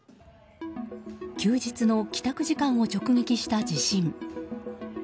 休日の帰宅時間を直撃した地震。